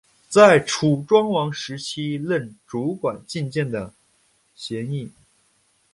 在楚庄王时期任主管进谏的箴尹。